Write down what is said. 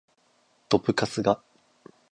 どぶカスが